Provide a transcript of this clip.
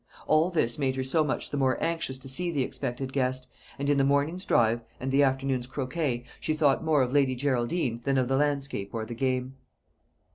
All this made her so much the more anxious to see the expected guest; and in the morning's drive, and the afternoon's croquet, she thought more of Lady Geraldine than of the landscape or the game.